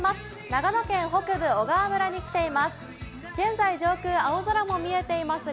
長野県北部小川村に着ています。